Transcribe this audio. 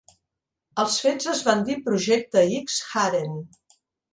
Els fets es van dir Projecte X Haren.